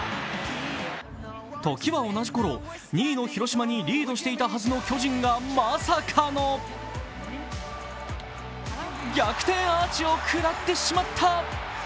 時は同じころ２位の広島にリードしていたはずの巨人がまさかの逆転アーチを食らってしまった。